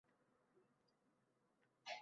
Men oʻz oʻqituvchilarimdan hali ham hayiqaman!